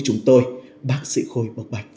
chúng tôi bác sĩ khôi bộc bạch